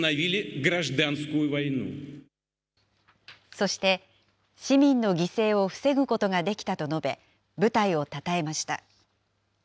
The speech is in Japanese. そして、市民の犠牲を防ぐことができたと述べ、部隊をたたえました。